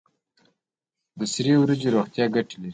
د سرې وریجې روغتیایی ګټې لري.